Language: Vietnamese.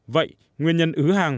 vậy nguyên nhân ứ hàng